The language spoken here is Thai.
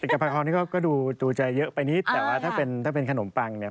กะเพรานี่ก็ดูจะเยอะไปนิดแต่ว่าถ้าเป็นถ้าเป็นขนมปังเนี่ย